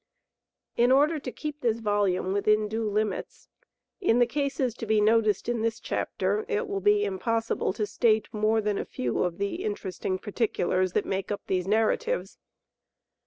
In order to keep this volume within due limits, in the cases to be noticed in this chapter, it will be impossible to state more than a few of the interesting particulars that make up these narratives.